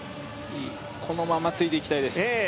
このままついていきたいですええ